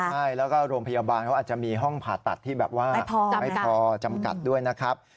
ใช่แล้วก็โรงพยาบาลเขาอาจจะมีห้องผ่าตัดที่แบบว่าไม่พอจำกัดด้วยนะครับ